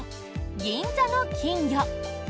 銀座の金魚。